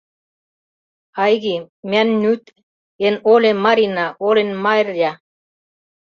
Айги, мӓ нӱт эн оле Марина, олен Марйа...